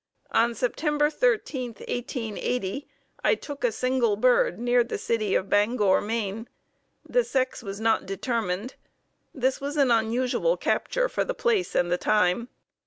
On Sept. 13, 1880, I took a single bird near the city of Bangor, Maine. The sex was not determined. This was an unusual capture for the place and the time.